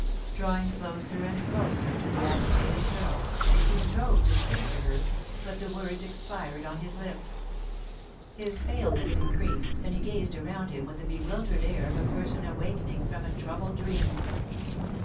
Drawing closer and closer to the agitated girl, he strove to speak to her, but the words expired on his lips. His paleness increased, and he gazed around him with the bewildered air of a person awakening from a troubled dream.